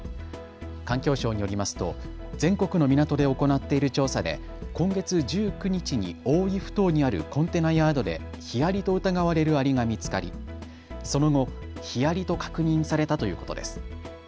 環境省によりますと全国の港で行っている調査で今月１９日に大井ふ頭にあるコンテナヤードでヒアリと疑われるアリが見つかりその後、ヒアリと確認されたということです。